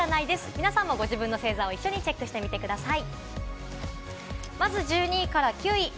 皆さんもご自分の星座を一緒にチェックしてみてください。